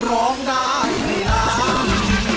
ร้องได้ให้ล้าน